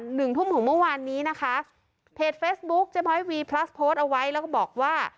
หนึ่งทุ่มของเมื่อวานนี้นะคะเพจเฟซบุ๊คเจ๊ม้อยวีพลัสโพสต์เอาไว้แล้วก็บอกว่า